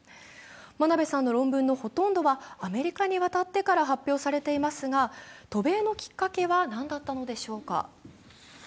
真鍋さんの論文のほとんどはアメリカに渡ってから発表されていますが渡米のきっかけは何だったのでしょうか？